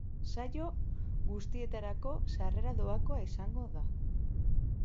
Saio guztietarako sarrera doakoa izango da.